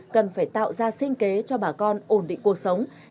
cần phải tạo ra sinh kế cho bà con ổn định cuộc sống